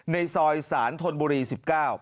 ในซอยสารธนบุรี๑๙